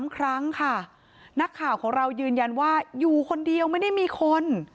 ๓ครั้งค่ะนักข่าวของเรายืนยันว่าอยู่คนเดียวไม่ได้มีคน